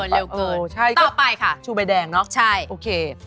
เร็วเกินต่อไปค่ะชูใบแดงเนอะโอเค